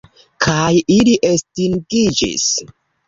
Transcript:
Kaj ili estingiĝis.